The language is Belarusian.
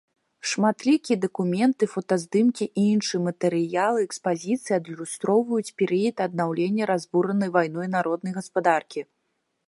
Шматлікія дакументы, фотаздымкі і іншыя матэрыялы экспазіцыі адлюстроўваюць перыяд аднаўлення разбуранай вайной народнай гаспадаркі.